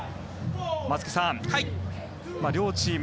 松木さん、両チーム